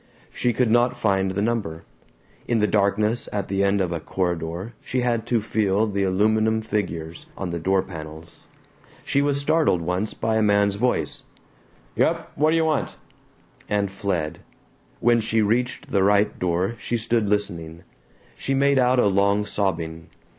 She could not find the number. In the darkness at the end of a corridor she had to feel the aluminum figures on the door panels. She was startled once by a man's voice: "Yep? Whadyuh want?" and fled. When she reached the right door she stood listening. She made out a long sobbing.